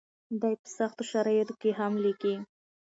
دی په سختو شرایطو کې هم لیکي.